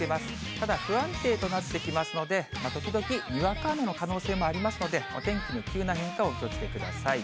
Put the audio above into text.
ただ、不安定となってきますので、時々にわか雨の可能性もありますので、お天気の急な変化、お気をつけください。